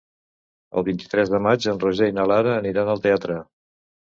El vint-i-tres de maig en Roger i na Lara aniran al teatre.